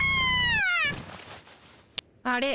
あれ？